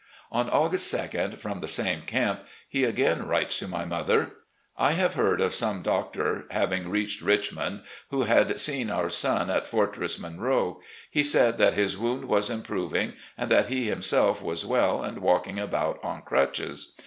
On August 2d, from the same camp, he again \mtes to my mother: ".. .1 have heard of some doctor having reached Richmond, who had seen our son at Fortress Monroe. He said that his wound was improving, and that he himself was well and walking about on crutches.